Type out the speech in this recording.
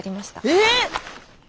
えっ！？